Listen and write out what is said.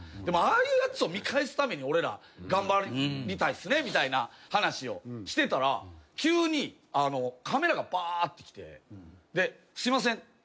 でもああいうやつを見返すために俺ら頑張りたいっすねみたいな話をしてたら急にカメラがばーって来て「すいません。